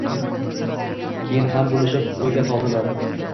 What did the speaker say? Keyin jam bo‘lishib o‘yga toldilar